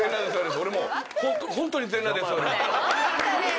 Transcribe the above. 俺もうホントに全裸で座る。